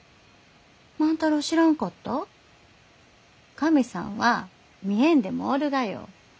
神さんは見えんでもおるがよ。